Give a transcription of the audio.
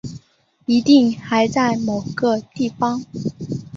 一定还在某个地方